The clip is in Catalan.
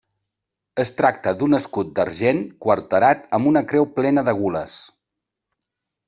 Es tracta d'un escut d'argent quarterat amb una creu plena de gules.